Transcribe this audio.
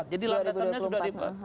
jadi langkah langkahnya sudah di